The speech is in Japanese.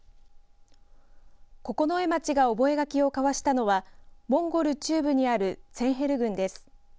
九重町が覚書を交わしたのはモンゴル中部にあるツェンヘル郡です。